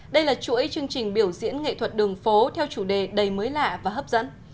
đây là chuỗi chương trình biểu diễn nghệ thuật đường phố theo chủ đề đầy mới lạ và hấp dẫn